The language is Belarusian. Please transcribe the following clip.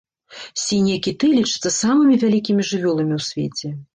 Сінія кіты лічацца самымі вялікімі жывёламі ў свеце.